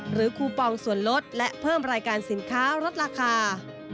คูปองส่วนลดและเพิ่มรายการสินค้าลดราคา